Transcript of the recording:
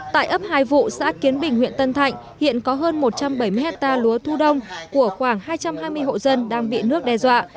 tại ấp hai vụ xã kiến bình huyện tân thạnh hiện có hơn một trăm bảy mươi hectare lúa thu đông của khoảng hai trăm hai mươi hộ dân đang bị nước đe dọa